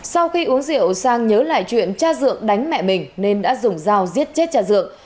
sau khi uống rượu sang nhớ lại chuyện cha dượng đánh mẹ mình nên đã dùng dao giết chết cha dượng